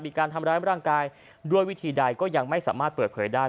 มีการทำร้ายร่างกายด้วยวิธีใดก็ยังไม่สามารถเปิดเผยได้